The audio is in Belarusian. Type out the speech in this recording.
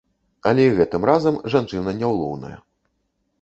Але і гэтым разам жанчына няўлоўная.